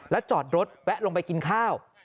จอดรถแวะลงไปกินข้าว